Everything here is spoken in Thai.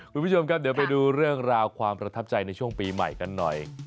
คุณผู้ชมครับเดี๋ยวไปดูเรื่องราวความประทับใจในช่วงปีใหม่กันหน่อย